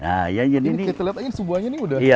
kita lihat aja ini semuanya nih udah